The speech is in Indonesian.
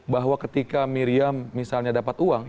bahwa ketika miriam misalnya dapat uang